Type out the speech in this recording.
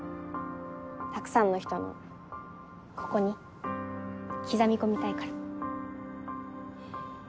たくさんの人のここに刻み込みたいから。